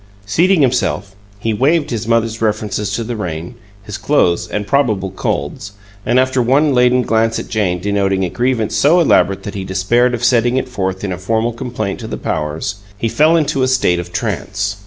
Seating himself, he waived his mother's references to the rain, his clothes, and probable colds, and after one laden glance at Jane denoting a grievance so elaborate that he despaired of setting it forth in a formal complaint to the Powers he fell into a state of trance.